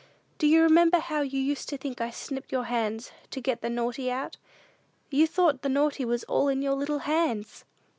"Do you remember how you used to think I snipped your hands to 'get the naughty out?' You thought the naughty was all in your little hands!"